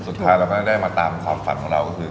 สุดท้ายเราก็ได้มาตามความฝันของเราก็คือ